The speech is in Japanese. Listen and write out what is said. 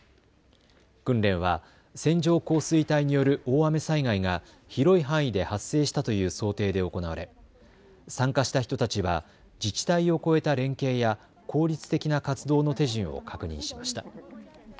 訓練は線状降水帯による大雨災害が広い範囲で発生したという想定で行われ参加した人たちは自治体をこえた連携や効率的な活動の手順を確認しました。